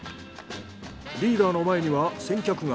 リーダーの前には先客が。